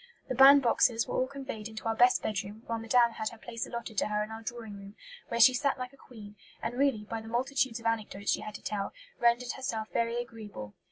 The band boxes were all conveyed into our best bedroom, while Madame had her place allotted to her in our drawing room, where she sat like a queen, and really, by the multitudes of anecdotes she had to tell, rendered herself very agreeable.